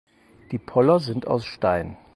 Die Poller sind aus Stein.